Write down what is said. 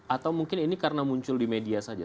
atau mungkin ini karena muncul di media saja